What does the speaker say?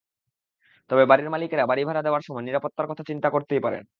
তবে বাড়ির মালিকেরা বাড়ি ভাড়া দেওয়ার সময় নিরাপত্তার কথা চিন্তা করতেই পারেন।